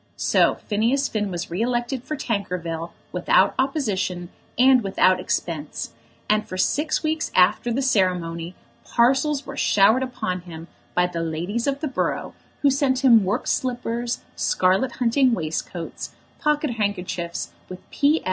So Phineas Finn was re elected for Tankerville without opposition and without expense; and for six weeks after the ceremony parcels were showered upon him by the ladies of the borough who sent him worked slippers, scarlet hunting waistcoats, pocket handkerchiefs, with "P.